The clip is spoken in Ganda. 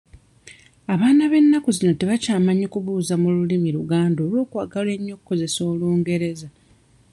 Abaana b'ennaku zino tebakyamanyi kubuuza mu lulimi Luganda olw'okwagala ennyo okukozesa Olungereza.